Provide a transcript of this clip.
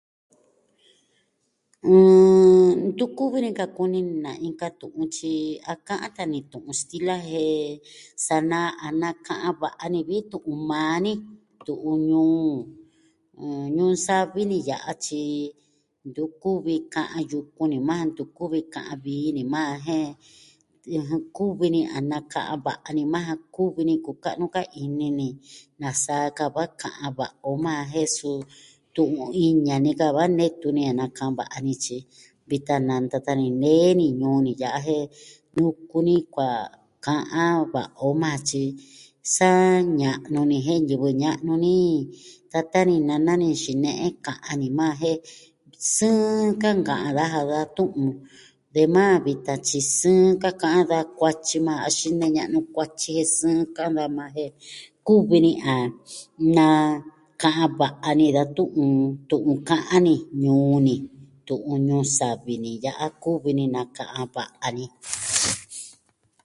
ɨɨ... Ntu kuvi ni ka kuni na inka tu'un tyi a ka'an ka ni tu'un stila jen sa naa a na ka'an va'a ni vi tu'un maa ni, tu'un ñuu, Ñuu Savi ni ya'a, tyi ntu kuvi ka'an yuku ni majan. Ntu kuvi ka'an vii ni majan, jen kuvi ni a naka'an va'a ni majan. Kuvi ni kuka'nu ka ini ni. Nasa ka va ka'an va'a o majan jen su tu'un iña ni ka va nee tuni a naka'an va'a ni, tyi vitan nanta tan ni nee ni ñuu ni ya'a jen yuku ni kua ka'an va'a o majan, tyi sa ña'nu ni jen ñivɨ ña'nu ni. Tata ni nana ni xine'en ka'an ni majan, jen sɨɨn kɨnka'an daja da tu'un. De maa vi tatyi sɨɨn ka ka'an da kuatyi majan axin ne ña'nu kuatyi jen sɨɨn ka'an daja majan, jen kuvi ni a naka'an va'a ni da tu'un, tu'un ka'an ñuu ni, tu'un Ñuu Savi ni ya'a kuvi ni naka'an va'a ni.